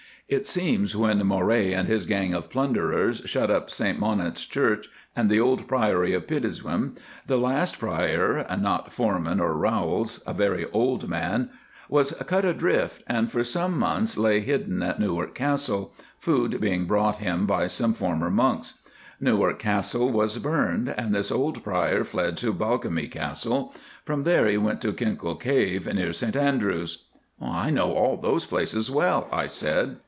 "It seems when Moray and his gang of plunderers shut up St Monance Church and the old Priory of Pittenweem, the last Prior (not Forman or Rowles), a very old man, was cut adrift, and for some months lay hidden at Newark Castle, food being brought him by some former monks. Newark Castle was burned, and this old Prior fled to Balcomie Castle. From there he went to Kinkell Cave near St Andrews. "I know all those places well," I said.